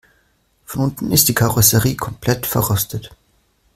Von unten ist die Karosserie komplett verrostet.